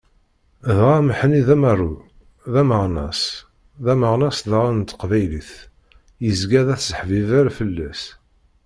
Dɣa, Mhenni d amaru, d aneɣmas, d ameɣnas daɣen n teqbaylit, yezga d aseḥbibber fell-as.